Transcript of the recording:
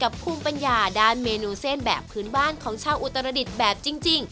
ภูมิปัญญาด้านเมนูเส้นแบบพื้นบ้านของชาวอุตรดิษฐ์แบบจริง